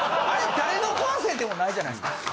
あれ誰のコンセントでもないじゃないですか。